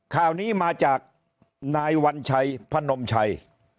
ข่าวนี้มาจากนายวัญชัยพนมชัย